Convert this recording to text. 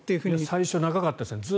最初長かったですね。